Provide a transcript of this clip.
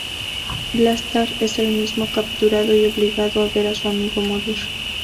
Blaster es el mismo capturado y obligado a ver a su amigo morir.